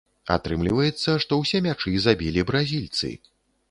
Атрымліваецца, што ўсе мячы забілі бразільцы.